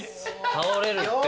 倒れるって。